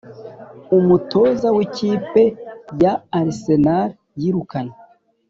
Umutoza wikipe ya arsenal yirukanwe